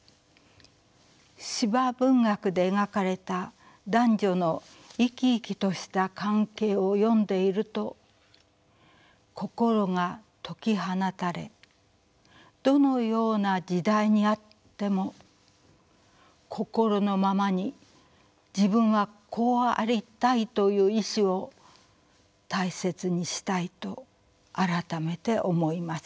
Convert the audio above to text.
司馬文学で描かれた男女の生き生きとした関係を読んでいると心が解き放たれどのような時代にあっても心のままに自分はこうありたいという意志を大切にしたいと改めて思います。